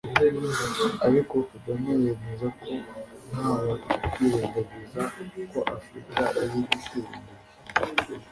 Ariko Kagame yemeza ko ntawakwirengagiza ko Afurika iri gutera imbere